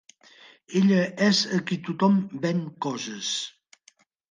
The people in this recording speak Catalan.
Ella és a qui tothom ven coses.